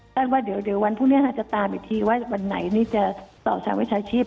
แต่ว่าเดี๋ยววันพรุ่งนี้จะตามอีกทีว่าวันไหนนี่จะสอบศาสตร์วิชาชีพ